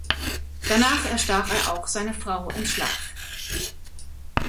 Danach erstach er auch seine Frau im Schlaf.